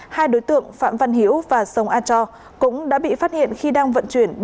hai đối tượng phạm văn hiễu và sông a cho cũng đã bị phát hiện khi đang vận chuyển